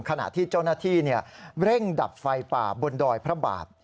ขณะที่เจ้าหน้าที่เร่งดับไฟป่าบนดอยพระบาท